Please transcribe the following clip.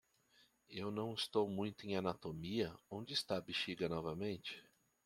Eu não estou muito em anatomia? onde está a bexiga novamente?